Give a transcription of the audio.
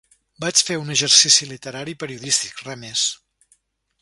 Vaig fer un exercici literari i periodístic, res més.